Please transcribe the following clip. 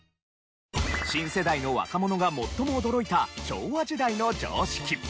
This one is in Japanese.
新世代の若者が最も驚いた昭和時代の常識。